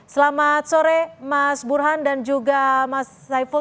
selamat sore mas burhan dan juga mas saiful